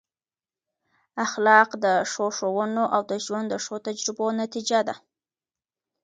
اخلاق د ښو ښوونو او د ژوند د ښو تجربو نتیجه ده.